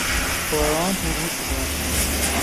Baran hûrhûr dibare.